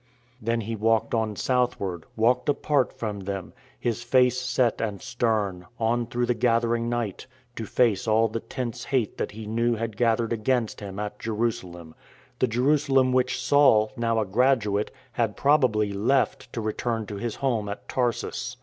Then He walked on southward, walked apart from them, His face set and stern, on through the gathering night, to face all the tense hate that He knew had gathered against Him at Jerusalem, the Jerusalem which Saul, now a graduate, had probably left, to return to his home at Tarsus.